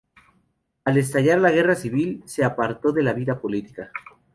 Al estallar la guerra civil, se apartó de la vida política.